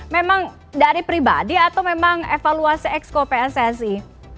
memang dari pribadi atau memang evaluasi exco pssi